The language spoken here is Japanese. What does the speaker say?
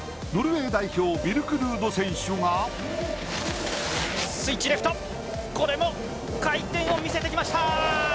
ノルウェー代表ビルク・ルード選手がスイッチリフト、これも回転を見せてきました。